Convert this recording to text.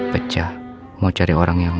pecah mau cari orang yang